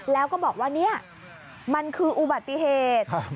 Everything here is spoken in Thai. แล้วก็บอกว่าเนี่ยมันคืออุบัติเหตุ